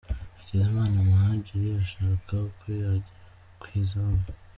Hakizimana Muhadjili ashaka uko yagera ku izamu .